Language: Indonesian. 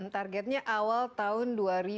targetnya awal tahun